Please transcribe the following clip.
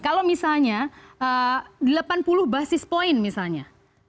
kalau misalnya delapan puluh basis point misalnya